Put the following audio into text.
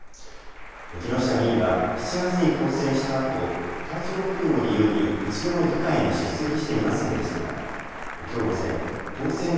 木下議員は７月に当選したあと体調不良を理由に一度も議会に出席していませんでしたがきょう午前、当選後